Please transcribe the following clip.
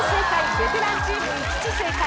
ベテランチーム５つ正解。